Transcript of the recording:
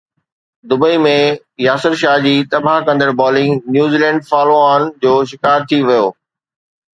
Dubai ۾ Yasir Shah جي تباهه ڪندڙ بالنگ، نيوزيلينڊ فالو آن جو شڪار ٿي ويو